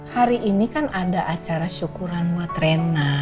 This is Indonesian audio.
hari ini kan ada acara syukuran buat rena